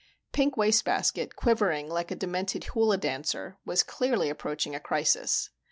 Pink Wastebasket, quivering like a demented hula dancer, was clearly approaching a crisis.